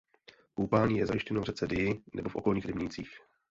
Koupání je zajištěno v řece Dyji nebo v okolních rybnících.